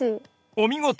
お見事！